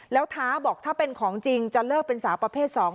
แล้วท้าบอกถ้าเป็นของจริงจะเลิกเป็นสาวประเภท๒